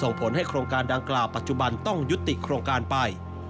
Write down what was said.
ส่งผลให้โครงการดังกล่าวปัจจุบันต้องยุติโครงการไป